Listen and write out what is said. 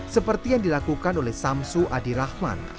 seperti yang dilakukan oleh samsu adirahman